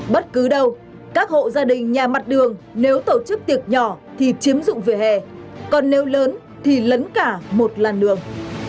bất cứ đâu các hộ gia đình nhà mặt đường nếu tổ chức tiệc nhỏ thì chiếm dụng về hè còn nếu lớn thì lấn cả một làn đường